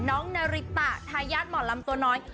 น้องนาริตะทายหญ้าหมอลำตัวน้อย